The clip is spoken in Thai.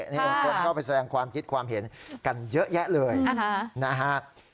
นี่คนเข้าไปแสดงความคิดความเห็นกันเยอะแยะเลยนะฮะ